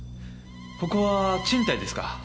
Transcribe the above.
ここは賃貸ですか？